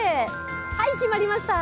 はい、決まりました。